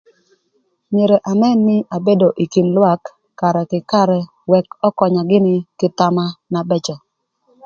Myero anën nï abedo ï kin lwak karë kï karë ëk ökönya gïnï kï thama na bëcö.